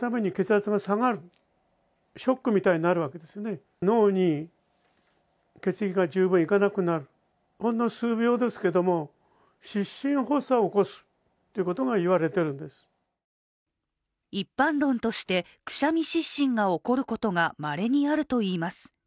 医師に聞いてみると一般論としてくしゃみ失神が起こることがまれにあるといいます。